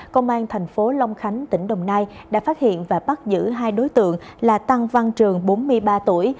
công an thành phố long khánh tỉnh đồng nai đã phát hiện và bắt giữ hai đối tượng là tăng văn trường bốn mươi ba tuổi